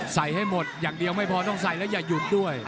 ให้หมดอย่างเดียวไม่พอต้องใส่แล้วอย่าหยุดด้วย